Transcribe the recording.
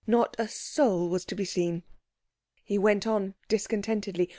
Not a soul was to be seen. He went on discontentedly.